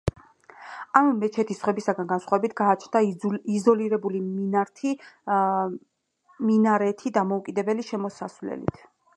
ამ მეჩეთს სხვებისგან განსხვავებით გააჩნდა იზოლირებული მინარეთი დამოუკიდებელი შესასვლელით.